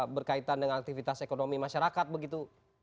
berkaitan dengan aktivitas ekonomi masyarakat begitu